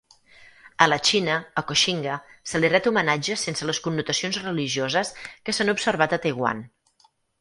A la Xina, a Koxinga se li ret homenatge sense les connotacions religioses que s'han observat a Taiwan.